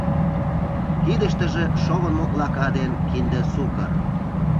Кидыштыже шовын моклака ден кинде сукыр.